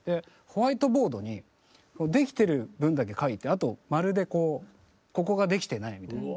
ホワイトボードにできてる分だけ書いてあと「○」でこう「ここができてない」みたいな。